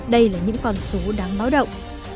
đây là những con số đáng báo động